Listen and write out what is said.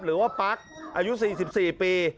หรือว่าปากอายุ๔๔ปี